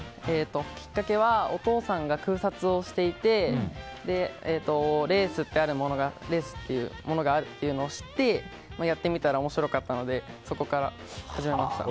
きっかけは、お父さんが空撮をしていてレースっていうものがあるというのを知ってやってみたら面白かったのでそこから始めました。